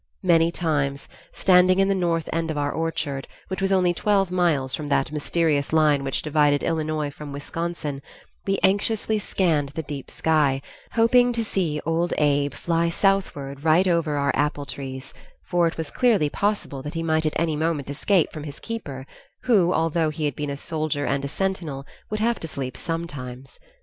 Many times, standing in the north end of our orchard, which was only twelve miles from that mysterious line which divided Illinois from Wisconsin, we anxiously scanned the deep sky, hoping to see Old Abe fly southward right over our apple trees, for it was clearly possible that he might at any moment escape from his keeper, who, although he had been a soldier and a sentinel, would have to sleep sometimes.